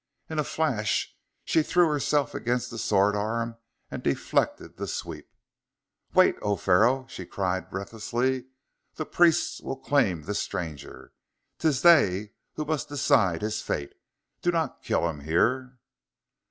In a flash she threw herself against the sword arm and deflected the sweep. "Wait, O Pharaoh!" she cried breathlessly. "The priests will claim this stranger; 'tis they who must decide his fate! Do not kill him here!"